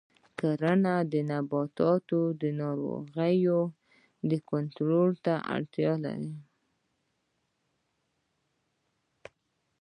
کرنه د نباتاتو د ناروغیو کنټرول ته اړتیا لري.